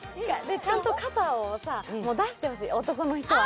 ちゃんと肩を出してほしい、男の人は。